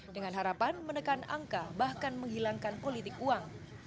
dengan harapan menekan angka bahkan menghilangkan politik uang